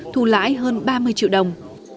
thu lãi hơn ba mươi triệu đồng